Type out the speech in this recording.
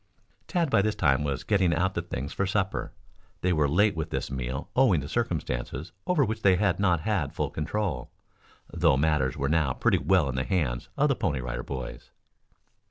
Tad by this time was getting out the things for supper. They were late with this meal owing to circumstances over which they had not had full control, though matters were now pretty well in the hands of the Pony Rider Boys.